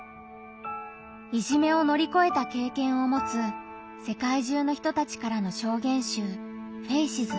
いじめを乗り越えた経験を持つ世界中の人たちからの証言集「ＦＡＣＥＳ」。